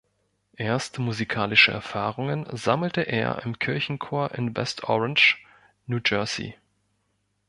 Erste musikalische Erfahrungen sammelte er im Kirchenchor in West Orange, New Jersey.